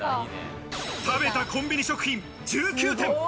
食べたコンビニ食品、１９点。